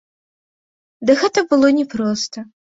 Ды гэта было не проста.